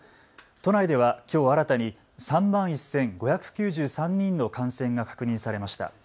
都内ではきょう新たに３万１５９３人の感染が確認されました。